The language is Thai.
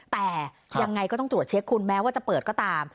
แต่ยังไงก็ต้องตรวจเช็คคุณแม้ว่าจะเปิดก็ตาม